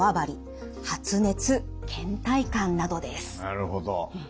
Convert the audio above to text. なるほど。